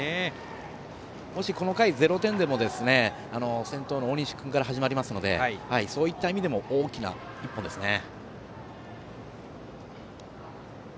もしこの回、０点でも先頭の大西君から始まるのでそういった意味でも大きな１本ですね。